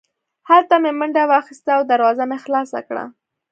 هلته مې منډه واخیسته او دروازه مې خلاصه کړه